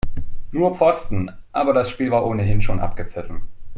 Nur Pfosten, aber das Spiel war ohnehin schon abgepfiffen.